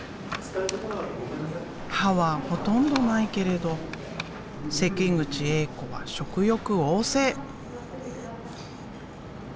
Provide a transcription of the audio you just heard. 歯はほとんどないけれど関口エイ子は食欲旺盛。